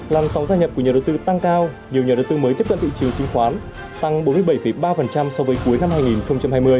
làm sóng gia nhập của nhà đầu tư tăng cao